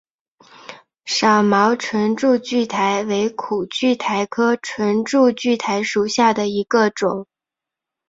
少毛唇柱苣苔为苦苣苔科唇柱苣苔属下的一个种。